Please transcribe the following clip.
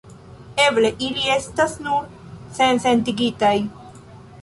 Eble ili estas nur sensentigitaj?